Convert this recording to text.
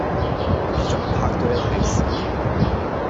今次仲唔嚇到你瀨屎